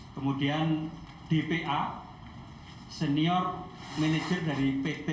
kemudian dpa senior manager dari pt